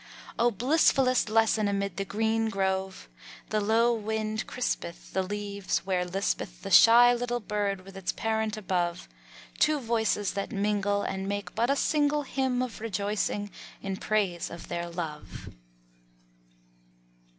O blissfullest lesson amid the green grove! The low wind crispeth The leaves, where lispeth The shy little bird with its parent above; Two voices that mingle And make but a single Hymn of rejoicing in praise of their love.